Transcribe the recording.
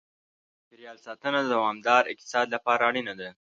د چاپېریال ساتنه د دوامدار اقتصاد لپاره اړینه ده.